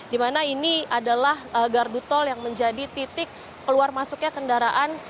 di mana ini adalah gardu tol yang menjadi titik keluar masuknya kendaraan